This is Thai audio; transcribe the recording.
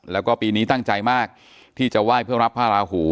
แล้วก็ปีนี้ตั้งใจมากที่จะไหว้เพื่อรับพระราหู